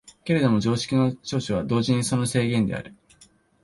けれども常識の長所は同時にその制限である。